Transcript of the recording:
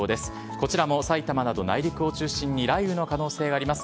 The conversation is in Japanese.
こちらもさいたまなど、内陸を中心に雷雨の可能性があります。